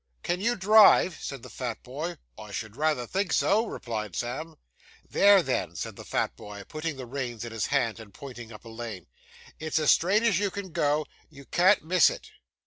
'Can you drive?' said the fat boy. 'I should rayther think so,' replied Sam. 'There, then,' said the fat boy, putting the reins in his hand, and pointing up a lane, 'it's as straight as you can go; you can't miss it.